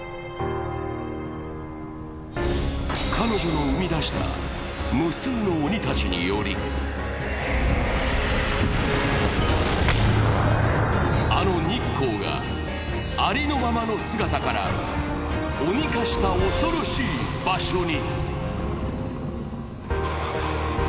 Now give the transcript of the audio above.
彼女の生み出した無数の鬼たちによりあの日光がありのままの姿から鬼化した恐ろしい場所に。